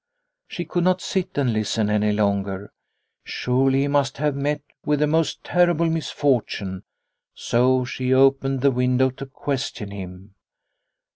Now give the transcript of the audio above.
She could not sit and listen any longer ; surely he must have met with the most terrible misfortune, so she opened the window to question him.